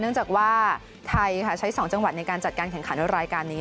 เนื่องจากว่าไทยใช้๒จังหวัดในการจัดการแข่งขันรายการนี้